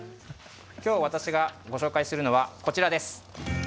私がご紹介するのはこちらです。